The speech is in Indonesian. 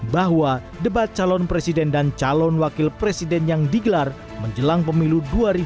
bahwa debat calon presiden dan calon wakil presiden yang digelar menjelang pemilu dua ribu dua puluh